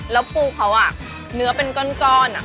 แล้วปูเขาเนื้อเป็นก้อน